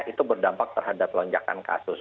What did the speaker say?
itu berdampak terhadap lonjakan kasus